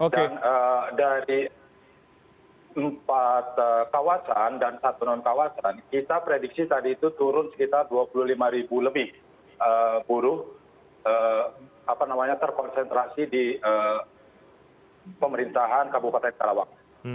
dan dari empat kawasan dan satu non kawasan kita prediksi saat itu turun sekitar dua puluh lima ribu lebih buruh terponsentrasi di pemerintahan kabupaten karawang